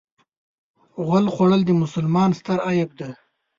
غول خوړل د مسلمان ستر عیب دی.